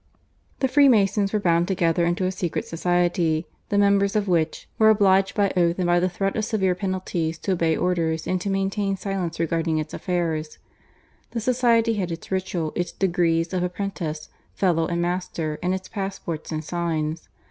The Freemasons were bound together into a secret society, the members of which were obliged by oath and by the threat of severe penalties to obey orders and to maintain silence regarding its affairs. The society had its ritual, its degrees of apprentice, fellow, and master, and its passports and signs.